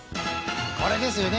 これですよね！